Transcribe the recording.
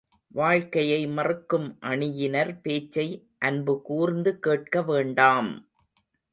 வாழ்க்கையை மறுக்கும் அணியினர் பேச்சை அன்புகூர்ந்து கேட்க வேண்டாம்!